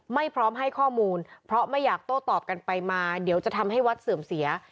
ไม่พร้อมให้ข้อมูลเพราะไม่อยากโต้ตอบกันไปมาเดี๋ยวจะทำให้วัดเสื่อมเสีย